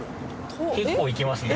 結構行きますね。